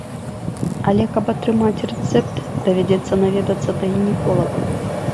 Але каб атрымаць рэцэпт, давядзецца наведацца да гінеколага.